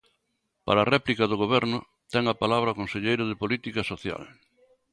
Para a réplica do Goberno, ten a palabra o conselleiro de Política Social.